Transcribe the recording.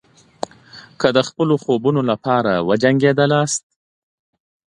که د خپلو خوبونو لپاره وجنګېدئ.